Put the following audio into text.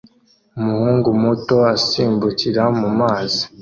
Umuhungu muto asimbukira mu mazi